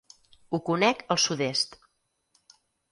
Ho conec al sud-est.